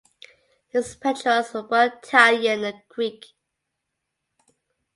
His patrons were both Italian and Greek.